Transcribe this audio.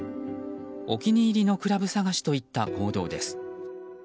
お気に入りのクラブ探しといった行動です。